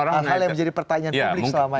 alasannya menjadi pertanyaan publik selama ini